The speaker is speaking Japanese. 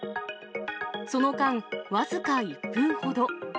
その間、僅か１分ほど。